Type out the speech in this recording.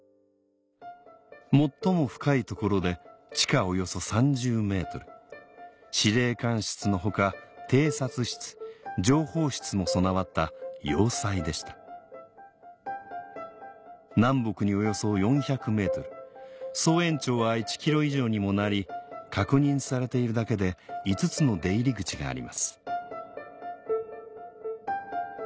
最も深い所で地下およそ３０ｍ司令官室のほか偵察室情報室も備わった要塞でした南北におよそ４００ｍ総延長は１ｋｍ以上にもなり確認されているだけで５つの出入り口があります